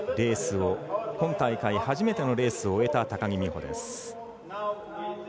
今大会、初めてのレースを終えた高木美帆です。